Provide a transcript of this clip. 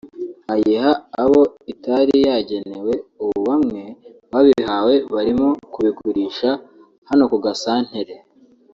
ayiha abo itari yagenewe ubu bamwe mu babihawe barimo kubigurisha hano ku gasantere